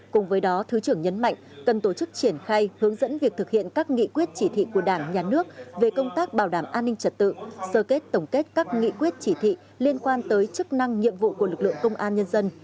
cùng với đó thứ trưởng nhấn mạnh cần tổ chức triển khai hướng dẫn việc thực hiện các nghị quyết chỉ thị của đảng nhà nước về công tác bảo đảm an ninh trật tự sơ kết tổng kết các nghị quyết chỉ thị liên quan tới chức năng nhiệm vụ của lực lượng công an nhân dân